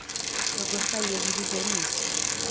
Eu gostaria de viver nisso.